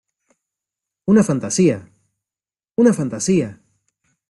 ¡ una fantasía! ¡ una fantasía !...